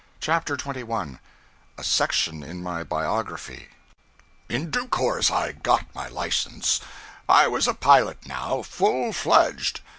CHAPTER 21 A Section in My Biography IN due course I got my license. I was a pilot now, full fledged.